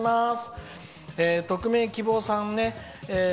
匿名希望さんね。